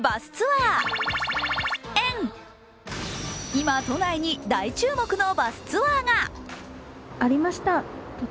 今、都内に大注目のバスツアーが。